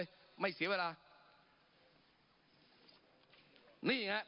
ปรับไปเท่าไหร่ทราบไหมครับ